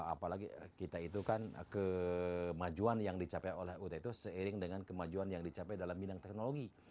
apalagi kita itu kan kemajuan yang dicapai oleh ut itu seiring dengan kemajuan yang dicapai dalam bidang teknologi